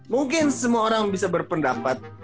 mungkin semua orang bisa berpendapat